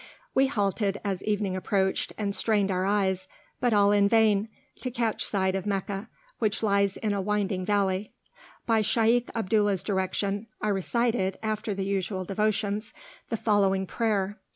We halted as evening approached, and strained our eyes, but all in vain, to catch sight of Meccah, which lies in a winding valley. By Shaykh Abdullah's direction I recited, after the usual devotions, the following prayer.